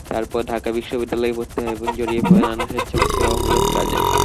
তারপর ঢাকা বিশ্ববিদ্যালয়ে ভর্তি হওয়া এবং জড়িয়ে পড়া নানা স্বেচ্ছাসেবামূলক কাজে।